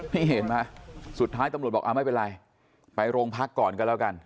นี่เห็นไหมสุดท้ายตำรวจบอกไม่เป็นไรไปโรงพักก่อนก็แล้วกัน